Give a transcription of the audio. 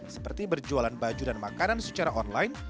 seperti berjualan baju dan makanan secara online